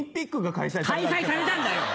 開催されたんだよ！